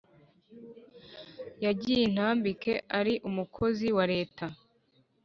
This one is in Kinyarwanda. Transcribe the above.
yagiye intambike ari umukozi wa leta: